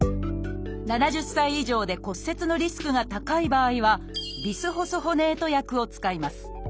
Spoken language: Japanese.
７０歳以上で骨折のリスクが高い場合は「ビスホスホネート薬」を使います。